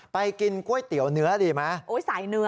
ไปกินก๋วยเตี๋ยวเนื้อดีไหม